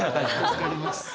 助かります。